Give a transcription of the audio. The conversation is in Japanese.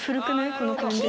この感じが。